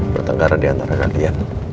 bertengkaran diantara kalian